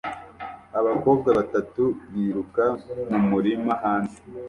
Abakobwa batatu biruka mu murima hanze